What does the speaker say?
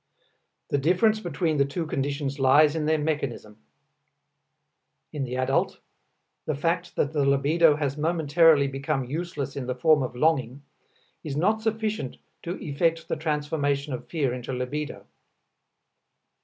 The difference between the two conditions lies in their mechanism. In the adult the fact that the libido has momentarily become useless in the form of longing, is not sufficient to effect the transformation of fear into libido.